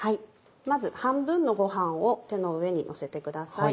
まず半分のご飯を手の上にのせてください。